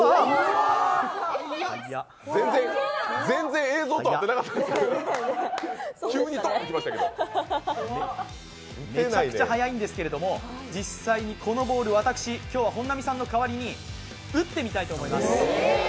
全然、映像と合ってなかったですよ、急にドンってきましたけどめちゃくちゃ速いんですけれども、実際にこのボール、私、今日は本並さんの代わりに打ってみたいと思います。